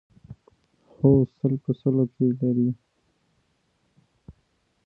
د افغانستان دیني ارزښتونه تاریخي بنسټ لري.